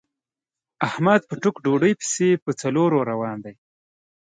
احمد په ټوک ډوډۍ پسې په څلور روان وي.